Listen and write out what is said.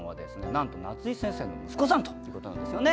なんと夏井先生の息子さんということなんですよね。